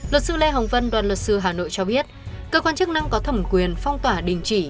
luật sư lê hồng vân đoàn luật sư hà nội cho biết cơ quan chức năng có thẩm quyền phong tỏa đình chỉ